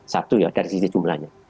satu ya dari sisi jumlahnya